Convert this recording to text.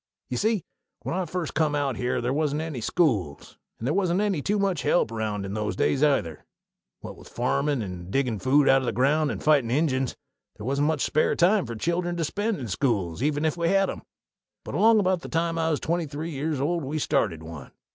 Ye see, when I first come out here they wasn't any schools, and they wasn't any too much help around in those days, either. What with farmin', and diggin' food out o' the ground, and fightin' Injuns, they wasn't much spare time for children to spend in schools, even if we'd a had 'em. But along about the time I was twenty three years old we started one.